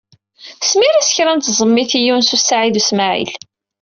Smir-as kra n tẓemmit i Yunes u Saɛid u Smaɛil.